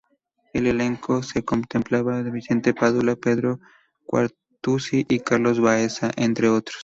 El elenco se completaba con Vicente Padula, Pedro Quartucci y Carlos Baeza, entre otros.